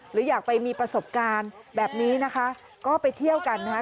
หรืออยากไปมีประสบการณ์แบบนี้นะคะก็ไปเที่ยวกันนะคะ